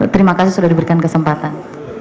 terima kasih sudah diberikan kesempatan